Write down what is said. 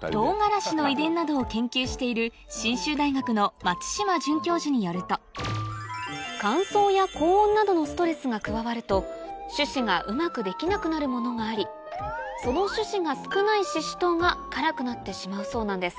トウガラシの遺伝などを研究している信州大学の松島准教授によると乾燥や高温などのストレスが加わると種子がうまく出来なくなるものがありその種子が少ないシシトウが辛くなってしまうそうなんです